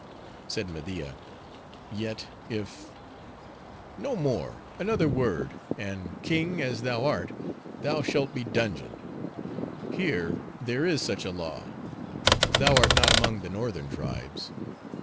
Said Media, "Yet if—" "No more! another word, and, king as thou art, thou shalt be dungeoned:—here, there is such a law; thou art not among the northern tribes."